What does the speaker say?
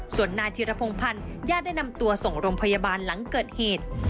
ส่วนนายธิรพงพันธ์ญาติได้นำตัวส่งโรงพยาบาลหลังเกิดเหตุ